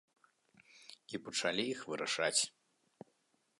І пачалі іх вырашаць.